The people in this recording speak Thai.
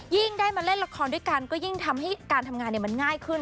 ยิ่งได้มาเล่นละครด้วยกันก็ยิ่งทำให้การทำงานมันง่ายขึ้น